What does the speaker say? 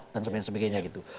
dan sebagainya sebagainya gitu